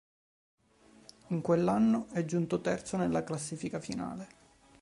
In quell'anno è giunto terzo nella classifica finale.